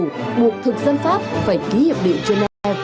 nguộc thực dân pháp phải ký hiệp định cho nam